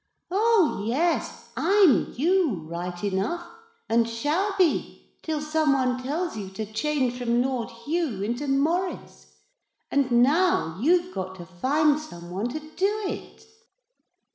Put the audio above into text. Oh, yes I'm you, right enough, and shall be, till some one tells you to change from Lord Hugh into Maurice. And now you've got to find some one to do it.'